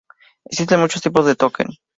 Existen muchos tipos de "token".